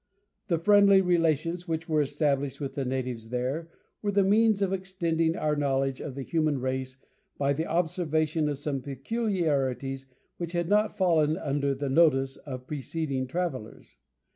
"The friendly relations which were established with the natives there were the means of extending our knowledge of the human race by the observation of some peculiarities which had not fallen under the notice of preceding travellers."